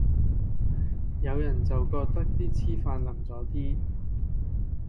有人就覺得啲黐飯淋咗啲